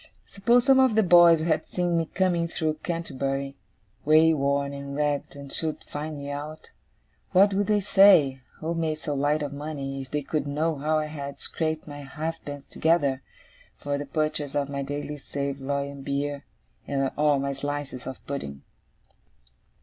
Suppose some of the boys had seen me coming through Canterbury, wayworn and ragged, and should find me out? What would they say, who made so light of money, if they could know how I had scraped my halfpence together, for the purchase of my daily saveloy and beer, or my slices of pudding?